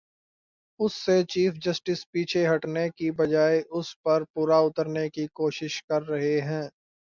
اس سے chief justice پیچھے ہٹنے کی بجائے اس پر پورا اترنے کی کوشش کر رہے ہیں۔